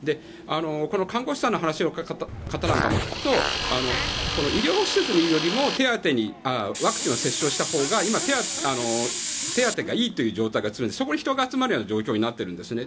看護師さんの方のお話を聞くと医療施設にいるよりもワクチン接種をしたほうが手当がいいという状況が続いていてそこに人が集まるような状況になっているんですね。